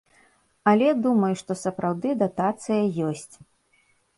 Але думаю, што сапраўды датацыя ёсць.